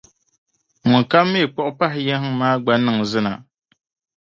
ŋunkam mi kpuɣ’ paɣiyihiŋ maa gba niŋ zina.